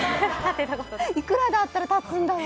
いくらだったら立つんだろう。